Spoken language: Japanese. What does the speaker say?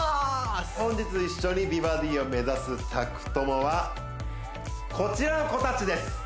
本日一緒に美バディを目指す宅トモはこちらの子たちです